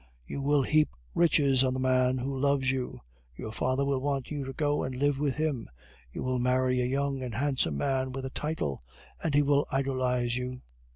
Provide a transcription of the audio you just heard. You will heap riches on the man who loves you. Your father will want you to go and live with him. You will marry a young and handsome man with a title, and he will idolize you."